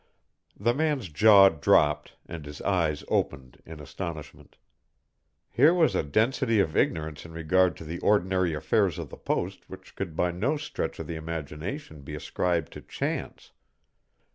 The man's jaw dropped and his eyes opened in astonishment. Here was a density of ignorance in regard to the ordinary affairs of the Post which could by no stretch of the imagination be ascribed to chance.